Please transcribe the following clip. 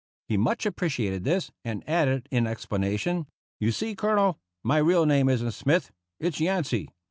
He much appreciated this, and added, in expla nation, " You see, Colonel, my real name isn't Smith, its Yancy.